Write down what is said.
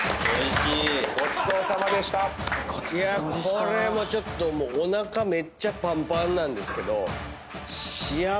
これもちょっとおなかめっちゃパンパンなんですけど。